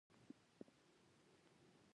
والي د چا لخوا ګمارل کیږي؟